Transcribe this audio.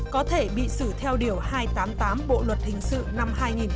có thể bị xử theo điều hai trăm tám mươi tám bộ luật hình sự năm hai nghìn một mươi năm